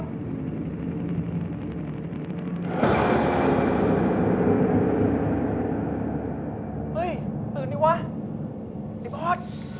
เฮ้ยตื่นดิวะนี่บอร์ด